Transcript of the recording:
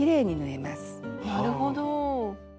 なるほど。